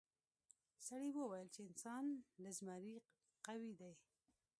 سړي وویل چې انسان له زمري قوي دی.